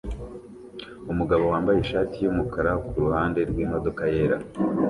umugabo wambaye ishati yumukara kuruhande rwimodoka yera